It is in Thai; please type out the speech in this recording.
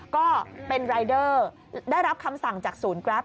ก็เป็นรายเดอร์ได้รับคำสั่งจากศูนย์แกรป